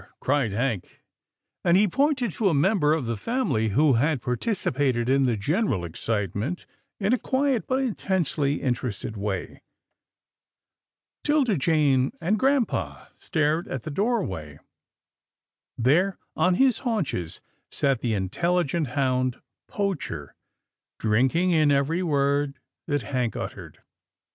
" cried Hank, and he pointed to a member of the family who had participated in the general excitement in a quiet, but intensely in terested way. 'Tilda Jane and grampa stared at the doorway. There, on his haunches, sat the intelligent hound Poacher, drinking in every word that Hank uttered.